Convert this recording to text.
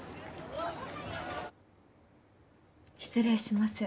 失礼します。